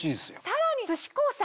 さらに寿司幸さん